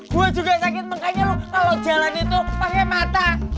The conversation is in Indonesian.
gua juga yang sakit makanya lu kalau jalan itu pakai mata